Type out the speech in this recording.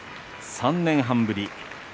３年半ぶり。